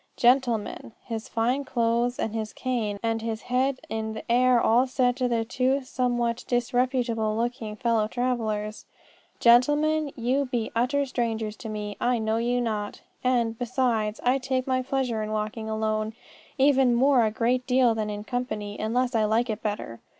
'Gentlemen,' his fine clothes and his cane and his head in the air all said to his two somewhat disreputable looking fellow travellers, "Gentlemen, you be utter strangers to me: I know you not. And, besides, I take my pleasure in walking alone, even more a great deal than in company, unless I like it better."